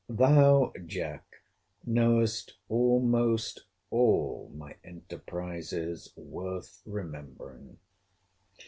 Thou, Jack, knowest almost all my enterprises worth remembering.